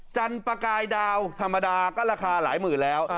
จันทร์ประกายดาวธรรมดาก็ราคาหลายหมื่นแล้ว